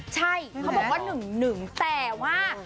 ใช่เขาบอกว่า๑๑แต่ว่า